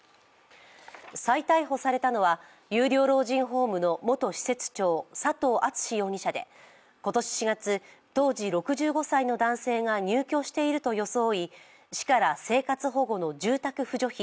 再逮捕されたのは有料老人ホームの元施設長、佐藤篤容疑者で今年４月、当時６５歳の男性が入居していると装い、市から生活保護の住宅扶助費